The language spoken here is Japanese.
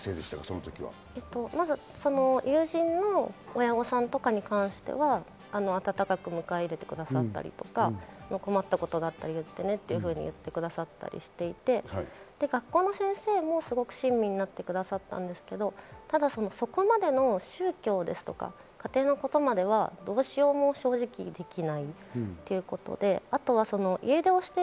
まず友人の親御さんとかに関しては温かく迎え入れてくださったりとか、困ったことがあったら言ってねと言ってくださったりしていて、学校の先生もすごく親身になってくださったんですけど、ただそこまでの宗教ですとか、家庭のことまではどうしようも正直、できないということで。